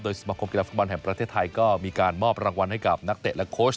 สมาคมกีฬาฟุตบอลแห่งประเทศไทยก็มีการมอบรางวัลให้กับนักเตะและโค้ช